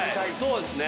そうですね。